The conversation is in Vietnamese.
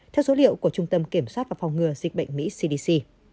theo số liệu của trung tâm kiểm soát và phòng ngừa dịch bệnh mỹ cdc